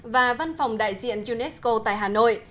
và văn phòng đại diện unesco tại hà nội